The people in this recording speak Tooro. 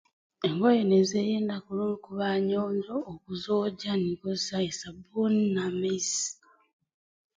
Engoye ninzeerinda kurungi kuba nyonjo okuzogya ninkozesa esabbuuni n'amaizi